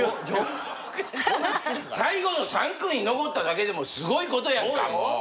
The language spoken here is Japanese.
最後の３組に残っただけでもすごいことやんかもう。